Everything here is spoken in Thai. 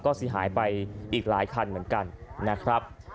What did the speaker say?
ก็เสียหายไปอีกหลายคันเหมือนกันนะครับ